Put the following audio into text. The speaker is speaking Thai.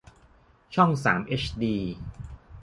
ช่องสามเอชดี